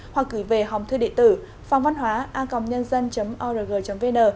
hoặc gửi về hòng thư địa tử phongvănhoaacomnhân dân org vn